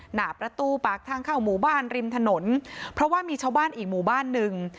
หน้าประตูปากทางเข้าหมู่บ้านริมถนนเพราะว่ามีชาวบ้านอีกหมู่บ้านหนึ่ง